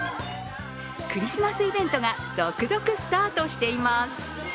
クリスマスイベントが続々スタートしています。